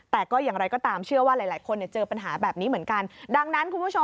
แต่ก็อย่างไรก็ตามเชื่อว่าหลายคนเจอปัญหาแบบนี้เหมือนกัน